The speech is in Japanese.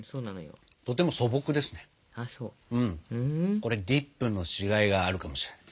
これディップのしがいがあるかもしれない。